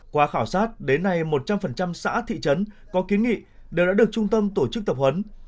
qua khảo sát đến nay một trăm linh xã thị trấn có kiến nghị đều đã được trung tâm tổ chức tập huấn